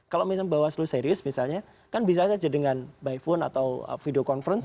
kalau misalnya bawaslu serius misalnya kan bisa saja dengan by phone atau video conference